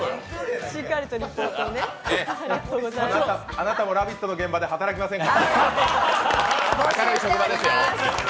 あなたも「ラヴィット！」の現場で働きませんか？